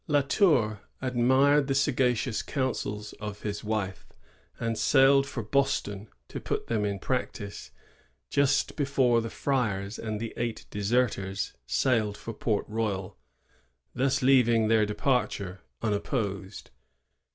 La Tour admired the sagacious counsels of 88 LA TOUR AND THE PURITANS. [1W5. his wife, and sailed for Boston to put them in prac tice just before the friars and the eight deserters sailed for Port Royal, thus leaving their departure unopposed.